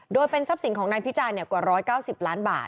โดยเป็นทรัพย์สินของนายพิจารณ์กว่า๑๙๐ล้านบาท